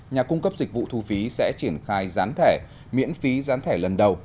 nhà cung cấp dịch vụ thu phí sẽ triển khai gián thẻ miễn phí gián thẻ lần đầu